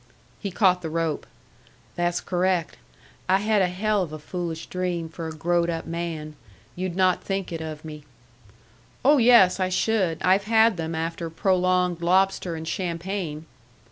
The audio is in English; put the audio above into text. He caught the rope. "That's correct! I had a hell of a foolish dream for a growed up man. You'd not think it of me." "Oh, yes, I should. I've had them after prolonged lobster and champagne."